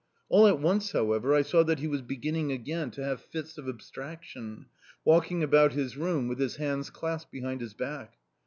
All at once, however, I saw that he was beginning again to have fits of abstraction, walking about his room with his hands clasped behind his back.